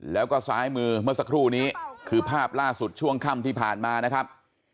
แล้วก็ซ้ายมือเมื่อสักครู่นี้คือภาพล่าสุดช่วงค่ำที่ผ่านมานะครับ